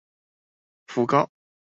福高